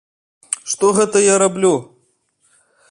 Што гэта я раблю?